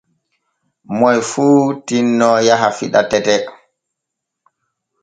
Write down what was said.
Moy fuu tinno yaha fiɗa tete.